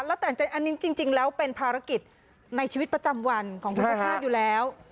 แล้วแต่อันนี้จริงแล้วเป็นภารกิจในชีวิตประจำวันของคุณชาติชาติอยู่แล้ว